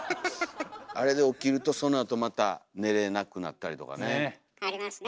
あれで起きるとそのあとまた寝れなくなったりとかね。ありますね。